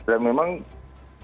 dan memang nilainya bisa lebih besar